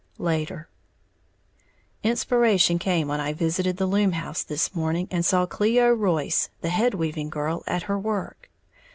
Later. Inspiration came when I visited the loom house this morning, and saw Cleo Royce, the head weaving girl, at her work.